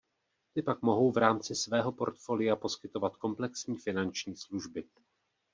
Ty pak mohou v rámci svého portfolia poskytovat komplexní finanční služby.